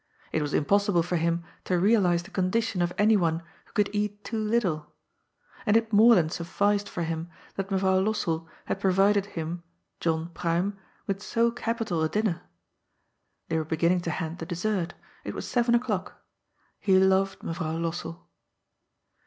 It was impossible for him to real ize the condition of anyone who could eat too little. And «. it more than sufficed for him that Mevrouw Lossell had pro ^*^ Tided him — John Pruim — ^with so capital a dinner. They were beginning to hand the dessert It was seven o'clock. He loved Mevrouw Lossell.